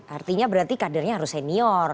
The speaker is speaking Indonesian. artinya berarti kadernya harus senior